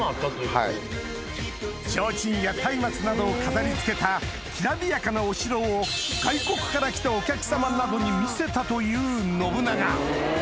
提灯やたいまつなどを飾り付けたきらびやかなお城を外国から来たお客様などに見せたという信長